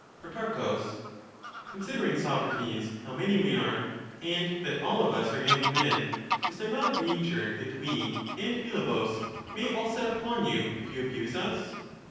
Pro, Considering, Socrates, how many we are, and that What we all of us are young men, is there not a danger that we and ^^"^^^^. Philebus may all set upon you, if you abuse us?